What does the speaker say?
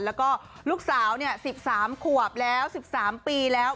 แล้วก็ลูกสาว๑๓ขวบแล้ว๑๓ปีแล้ว